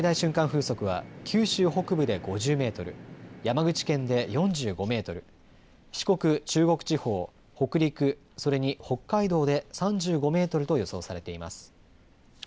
風速は九州北部で５０メートル、山口県で４５メートル、四国、中国地方、北陸、それに北海道で３５メートルと予想されています。